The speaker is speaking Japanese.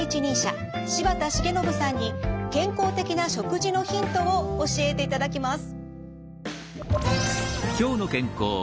柴田重信さんに健康的な食事のヒントを教えていただきます。